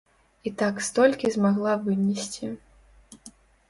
І так столькі змагла вынесці.